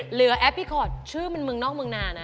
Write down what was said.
เหลือแอฟพิคอธชื่อมันเมืองนอกเมืองหนานะ